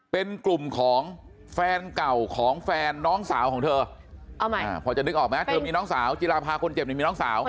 เป็นกลุ่มของแฟนเก่าของแฟนน้องสาวของเธอเอาใหม่พอจะนึกออกไหมเธอมีน้องสาวจิราภาคนเจ็บนี่มีน้องสาว